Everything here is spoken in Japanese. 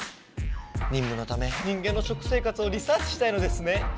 にんむのため人間の食生活をリサーチしたいのですね？